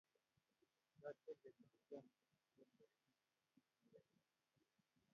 yache kenyoru tom kotomo koyai kei ne yaa